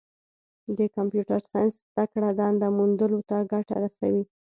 د کمپیوټر ساینس زدهکړه دنده موندلو ته ګټه رسوي.